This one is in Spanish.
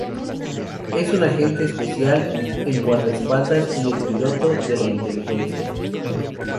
Es un agente especial, el guardaespaldas, y el piloto de la inteligencia.